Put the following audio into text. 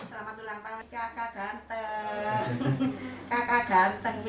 berarti dia kalausa penerima fasilitas